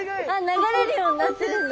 流れるようになってるんだ。